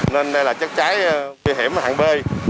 nên đây là chất cháy nguy hiểm hạng b